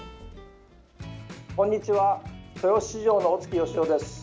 こんにちは豊洲市場の小槻義夫です。